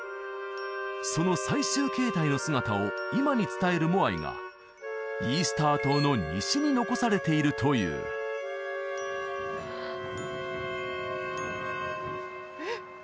その最終形態の姿を今に伝えるモアイがイースター島の西に残されているというえっ！